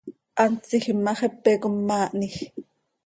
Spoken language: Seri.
Hant tsiijim ma, xepe com maahnij.